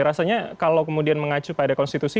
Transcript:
rasanya kalau kemudian mengacu pada konstitusi